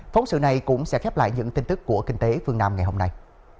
phóng sự này cũng sẽ khép lại những tin tức của kinh tế phương nam ngày hôm nay